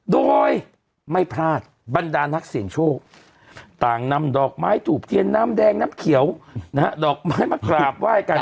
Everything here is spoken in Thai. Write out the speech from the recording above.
โดยไม่พลาดบรรดานักเสี่ยงโชคต่างนำดอกไม้ถูกเทียนน้ำแดงน้ำเขียวนะฮะดอกไม้มากราบไหว้กัน